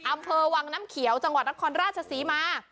อำเภอวังน้ำเขียวจังหวัดนครราชศรีมา